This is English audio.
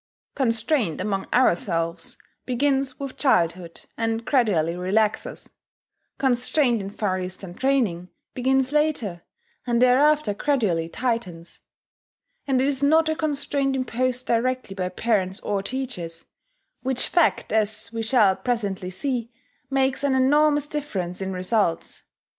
Constraint among ourselves begins with childhood, and gradually relaxes; constraint in Far Eastern training begins later, and thereafter gradually tightens; and it is not a constraint imposed directly by parents or teachers which fact, as we shall presently see, makes an enormous difference in results.